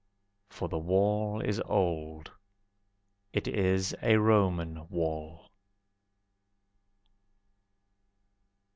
For the wall is old, It is a Roman wall.